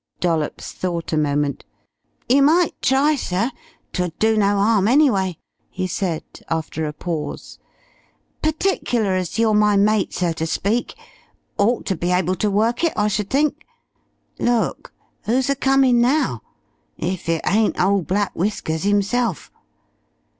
Dollops thought a moment. "You might try, sir 'twould do no 'arm, anyway," he said after a pause. "Pertickler as you're my mate, so ter speak. Ought ter be able to work it, I should think.... Look. Who's a comin' now? If it ain't ole Black Whiskers 'imself!"